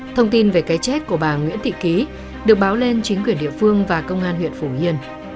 thông tin về cái chết của bà nguyễn thị ký được báo lên chính quyền địa phương và công an huyện phủ yên